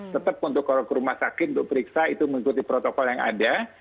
tetap untuk kalau ke rumah sakit untuk periksa itu mengikuti protokol yang ada